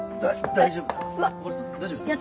大丈夫ですか？